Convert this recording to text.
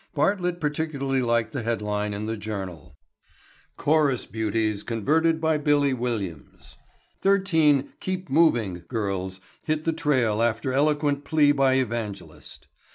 Bartlett particularly liked the headline in the Journal: CHORUS BEAUTIES CONVERTED BY "BILLY" WILLIAMS –––– Thirteen "Keep Moving" Girls Hit the Trail After Eloquent Plea by Evangelist.